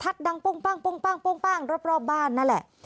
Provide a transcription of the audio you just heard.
ประทัดดังป้องป้างป้องป้างป้องป้างรอบรอบบ้านนั่นแหละ